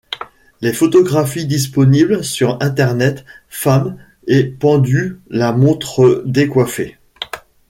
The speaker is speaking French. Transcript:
Les photographies disponibles sur Internet Femmes et pendues la montrent décoiffée.